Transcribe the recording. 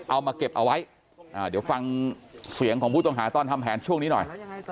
เอามาเก็บเอาไว้เดี๋ยวฟังเสียงของผู้ต้องหาตอนทำแผนช่วงนี้หน่อย